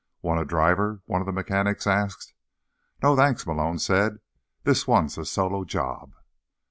"Want a driver?" one of the mechanics asked. "No, thanks," Malone said. "This one's a solo job."